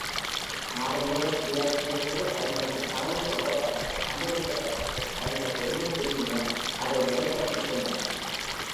நாடு முழுதும் உரையாற்றிய போது அவர்களுக்கு தகவல் கொடுக்கப்பட்டது, கண்டுபிடிக்கப்பட்டது, அவர்களுக்கு என்னத் தெரியுமோ அதை நெறிப்படுத்திகொண்டனர்.